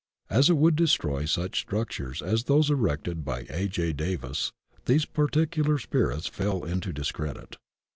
As it would destroy such structures as those erected by A. J. Davis, these par ticular spirits fell into discredit.